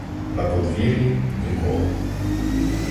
На подвір'ї — нікого.